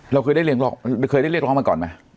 เราเคยได้เรียกร้องมาก่อนมั้ย